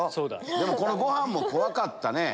でもこのご飯も怖かったね。